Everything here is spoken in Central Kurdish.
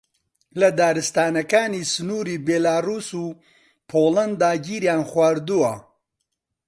لە دارستانەکانی سنووری بیلاڕووس و پۆڵەندا گیریان خواردووە